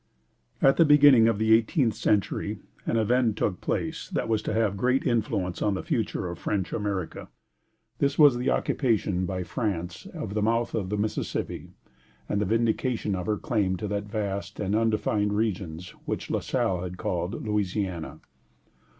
At the beginning of the eighteenth century an event took place that was to have a great influence on the future of French America. This was the occupation by France of the mouth of the Mississippi, and the vindication of her claim to the vast and undefined regions which La Salle had called Louisiana.